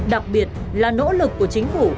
đặc biệt là nỗ lực của chính phủ